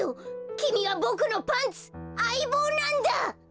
きみはボクのパンツあいぼうなんだ！